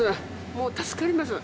もう助かります。